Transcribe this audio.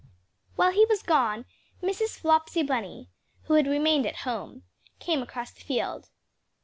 While he was gone, Mrs. Flopsy Bunny (who had remained at home) came across the field.